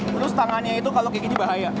terus tangannya itu kalau kayak gini bahaya